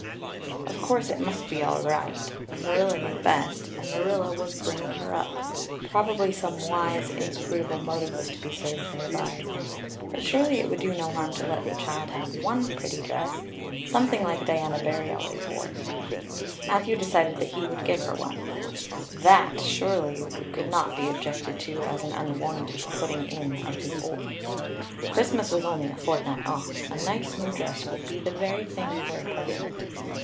Of course, it must be all right. Marilla knew best and Marilla was bringing her up. Probably some wise, inscrutable motive was to be served thereby. But surely it would do no harm to let the child have one pretty dress something like Diana Barry always wore. Matthew decided that he would give her one; that surely could not be objected to as an unwarranted putting in of his oar. Christmas was only a fortnight off. A nice new dress would be the very thing for a present.